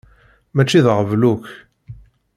Mačči d aɣbel akk.